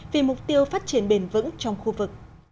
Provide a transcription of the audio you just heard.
vì mục tiêu phát triển bền vững trong khu vực